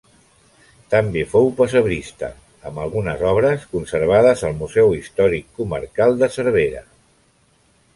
També fou pessebrista, amb algunes obres conservades al Museu Històric Comarcal de Cervera.